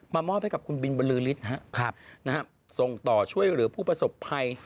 มอบให้กับคุณบินบรือฤทธิ์ส่งต่อช่วยเหลือผู้ประสบภัย